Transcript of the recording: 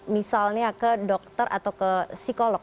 misalnya ke dokter atau ke psikolog